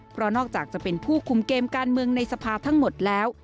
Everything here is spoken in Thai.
เพราะนอกจากจะเป็นผู้คุมเกมการเมืองในสภาทั้งหมดแล้ว